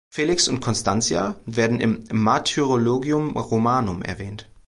Felix und Constantia werden im "Martyrologium Romanum" erwähnt.